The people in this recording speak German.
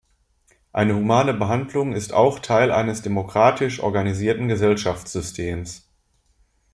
Eine humane Behandlung ist auch Teil eines demokratisch organisierten Gesellschaftssystems.